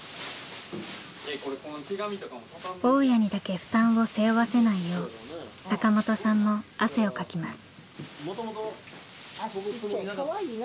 大家にだけ負担を背負わせないよう坂本さんも汗をかきます。